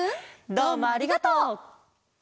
どうもありがとう。